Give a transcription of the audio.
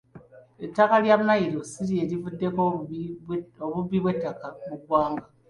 Ettaka lya mmayiro si lye livuddeko obubbi bw’ettaka mu ggwanga.